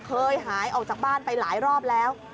เคยหายออกจากบ้านไปหลายรอบแล้ว